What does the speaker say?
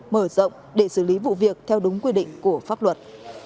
mở rộng để xử lý vụ việc theo đúng quy định của pháp luật